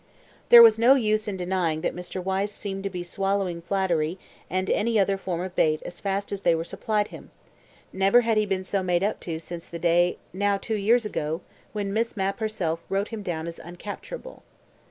... There was no use in denying that Mr. Wyse seemed to be swallowing flattery and any other form of bait as fast as they were supplied him; never had he been so made up to since the day, now two years ago, when Miss Mapp herself wrote him down as uncapturable.